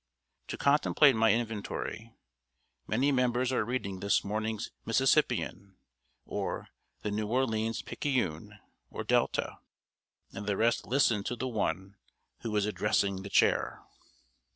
To complete my inventory, many members are reading this morning's Mississippian, or The New Orleans Picayune or Delta, and the rest listen to the one who is addressing the Chair.